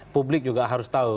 publik juga harus tahu